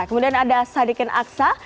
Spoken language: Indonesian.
kemudian ada sadikin aksa